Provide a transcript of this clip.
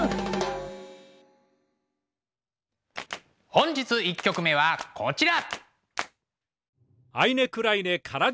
本日１曲目はこちら。